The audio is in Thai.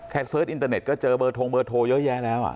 เสิร์ชอินเตอร์เน็ตก็เจอเบอร์ทงเบอร์โทรเยอะแยะแล้ว